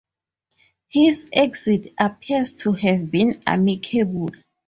His exit appears to have been amicable.